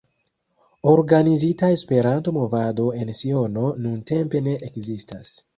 Organizita Esperanto-movado en Siono nuntempe ne ekzistas.